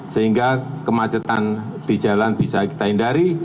sehingga kemacetan di jalan bisa kita hindari